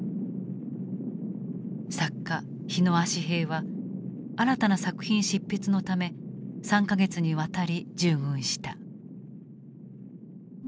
作家火野葦平は新たな作品執筆のため３か月にわたり従軍した。